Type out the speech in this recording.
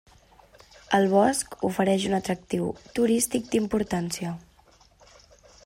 El bosc ofereix un atractiu turístic d'importància.